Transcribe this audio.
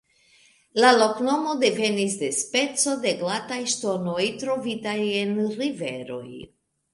La loknomo devenis de speco de glataj ŝtonoj trovitaj en riveroj.